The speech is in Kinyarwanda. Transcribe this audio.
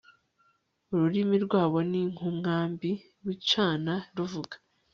ururimi rwabo ni nk umwambi wicana ruvuga